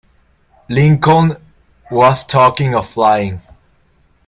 Lincoln was talking of flying.